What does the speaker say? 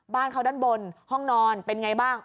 บ้านเขาด้านบนห้องนอนเป็นไงบ้าง